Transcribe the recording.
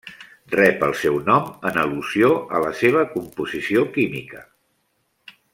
Rep el seu nom en al·lusió a la seva composició química.